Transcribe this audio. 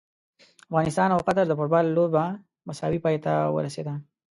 افغانستان او قطر د فوټبال لوبه مساوي پای ته ورسیده!